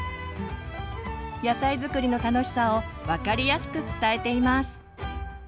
野菜づくりの楽しさを分かりやすく伝えています。